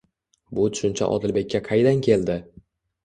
Bu tushuncha Odilbekka qaydan keldi?